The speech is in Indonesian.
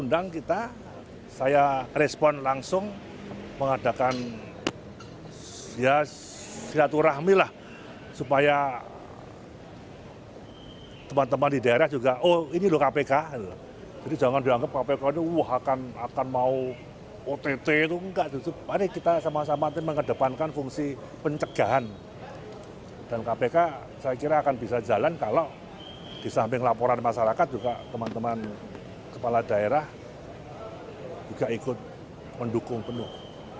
dan kpk saya kira akan bisa jalan kalau disamping laporan masyarakat juga teman teman kepala daerah juga ikut mendukung penuh